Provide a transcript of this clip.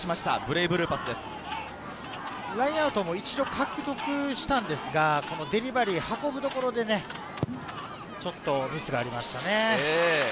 ラインアウトも一度獲得したんですが、デリバリー、運ぶところでね、ちょっとミスがありましたね。